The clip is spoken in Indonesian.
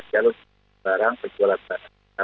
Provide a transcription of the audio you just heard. jalur barang perjualan barang